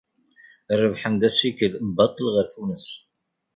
Rebḥen-d assikel baṭel ɣer Tunes.